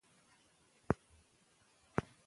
که غریبانو سره مرسته وکړو نو لوږه نه خپریږي.